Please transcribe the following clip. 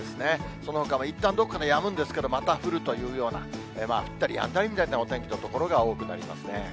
そのほかもいったんどこかでやむんですけれども、また降るというような、降ったりやんだりみたいなお天気の所が多くなりますね。